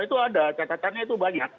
itu ada catatannya itu banyak